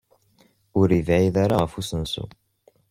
Ur yebɛid ara ɣef usensu.